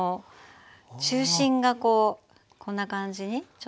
中心がこうこんな感じにちょっと。